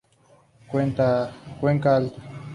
Cuenca alta.